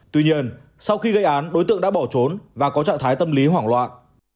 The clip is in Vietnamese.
tuy nhiên sau khi gây án đối tượng đã bỏ trốn và có trạng thái tâm lý hoảng loạn